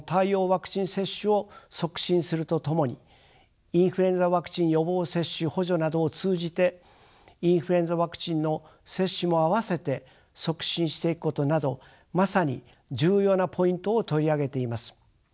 ワクチン接種を促進するとともにインフルエンザワクチン予防接種補助などを通じてインフルエンザワクチンの接種も併せて促進していくことなどまさに重要なポイントを取り上げています。